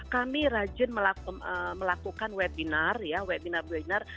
kami rajin melakukan webinar ya webinar weiner